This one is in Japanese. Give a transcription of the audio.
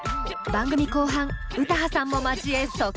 番組後半詩羽さんも交え即興コラボ！